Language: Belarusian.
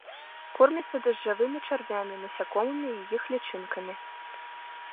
Корміцца дажджавымі чарвямі, насякомымі і іх лічынкамі.